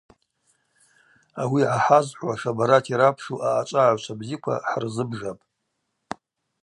Ауи гӏахӏазхӏвуаш абарат йрапшу аъачӏвагӏагӏвчва бзиква хӏырзыбжапӏ.